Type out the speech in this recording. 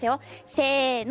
せの。